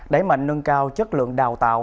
đẩy mạnh nâng cao chất lượng đào tạo